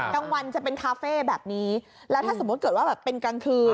กลางวันจะเป็นคาเฟ่แบบนี้แล้วถ้าสมมุติเกิดว่าแบบเป็นกลางคืน